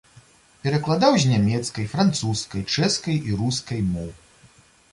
Перакладаў з нямецкай, французскай, чэшскай і рускай моў.